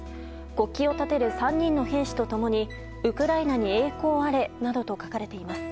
国旗を立てる３人の兵士と共にウクライナに栄光あれなどと書かれています。